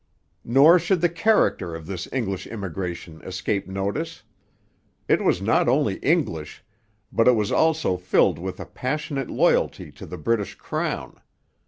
Nor should the character of this English immigration escape notice. It was not only English; but it was also filled with a passionate loyalty to the British crown.